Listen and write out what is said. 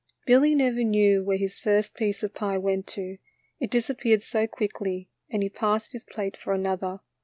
Billy never knew where his first piece of pie went to, it disappeared so quickly, and he passed his plate for another.